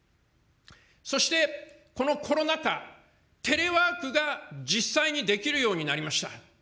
そしてこのコロナ禍、テレワークが実際にできるようになりました。